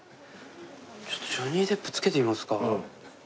ちょっとジョニー・デップつけてみますか。